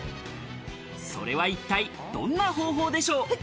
それは、一体どんな方法でしょう？